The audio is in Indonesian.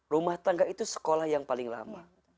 rumah tangga itu sekolah yang paling lama